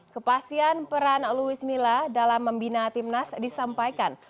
kepastian peran luis mila dalam membina timnas disampaikan